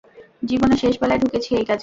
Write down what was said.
জীবনের শেষ বেলায় ঢুকেছি এই কাজে।